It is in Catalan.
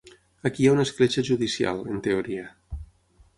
Aquí hi ha una escletxa judicial, en teoria.